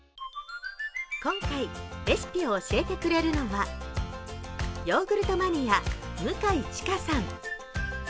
今回レシピを教えてくれるのはヨーグルトマニア、向井智香さん。